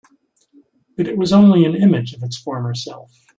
But it was only an image of its former self.